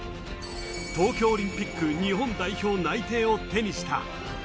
東京オリンピック日本代表内定を手にした。